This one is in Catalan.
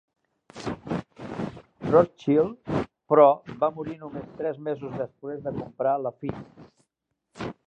Rothschild, però, va morir només tres mesos després de comprar Lafite.